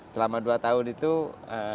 selama dua tahun itu ee